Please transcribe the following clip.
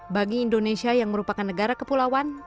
bagi indonesia yang merupakan negara kepulauan